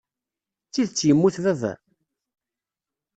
D tidet yemmut baba?